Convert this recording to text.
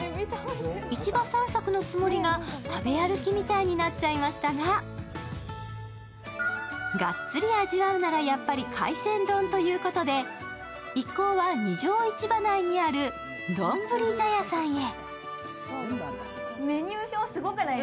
市場散策のつもりが食べ歩きみたいになっちゃいましたががっつり味わうなら、やっぱり海鮮丼ということで一行は、二条市場内にあるどんぶり茶屋さんへ。